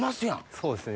そうですね。